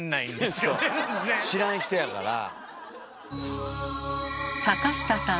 そう知らん人やから。